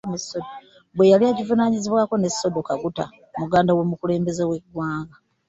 Bwe yali agivuganyaako ne Sodo Kaguta muganda w'omukulembeze w'eggwanga